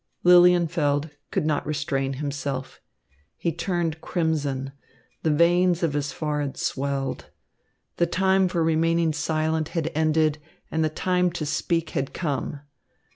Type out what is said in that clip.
Lilienfeld could not restrain himself. He turned crimson. The veins of his forehead swelled. The time for remaining silent had ended and the time to speak had come.